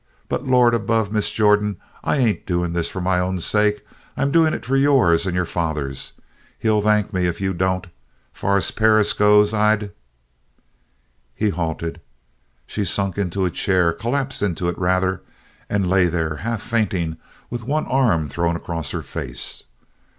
But Lord above, Miss Jordan, I ain't doing this for my own sake. I'm doing it for yours and your father's. He'll thank me if you don't! Far as Perris goes, I'd " He halted. She had sunk into a chair collapsed into it, rather, and lay there half fainting with one arm thrown across her face.